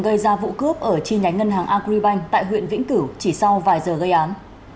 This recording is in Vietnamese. gây ra vụ cướp ở chi nhánh ngân hàng agribank tại huyện vĩnh cửu chỉ sau vài giờ gây án